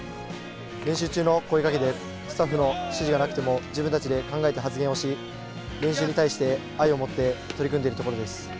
練習中の声かけでスタッフの指示がなくても自分たちで考えて発言をし練習に対して愛を持って取り組んでいるところです。